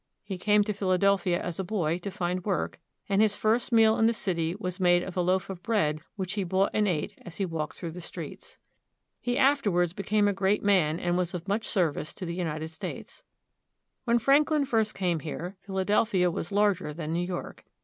He came to Philadelphia as a boy to find work, and his first meal in the city was made of a loaf of bread which he bought and ate as he walked through the streets. He afterwards became a great man and Benjamin Franklin, was of much service to the United States. When Franklin first came here, Philadelphia was larger than New York.